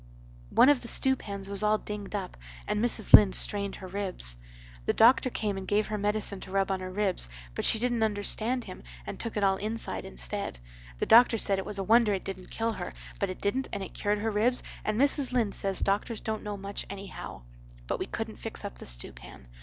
"One of the stewpans was all dinged up and Mrs. Lynde straned her ribs. The doctor came and gave her medicine to rub on her ribs but she didn't under stand him and took it all inside instead. The doctor said it was a wonder it dident kill her but it dident and it cured her ribs and Mrs. Lynde says doctors dont know much anyhow. But we couldent fix up the stewpan.